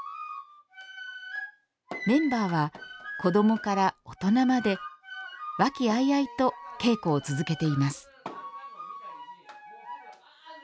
メンバーは子どもから大人まで和気あいあいと稽古を続けています。